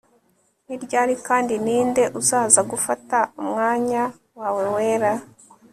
ni ryari kandi ninde uzaza gufata umwanya wawe wera